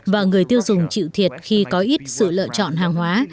và người tiêu dùng chịu thiệt khi có ít sự lựa chọn hàng hóa